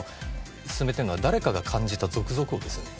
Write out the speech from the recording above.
進めてるのは誰かが感じたゾクゾクをですね